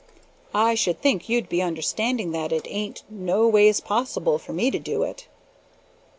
I should think you'd be understanding that it ain't no ways possible for me to do it."